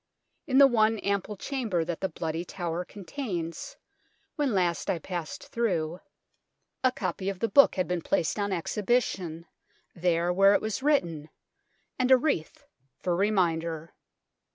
In the one ample chamber that the Bloody Tower contains, when last I passed through, a copy of the book had been BLOODY TOWER AND REGALIA 91 placed on exhibition, there where it was written, and a wreath for reminder.